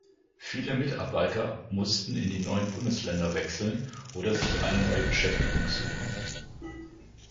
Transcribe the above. Viele Mitarbeiter mussten in die neuen Bundesländer wechseln oder sich eine neue Beschäftigung suchen.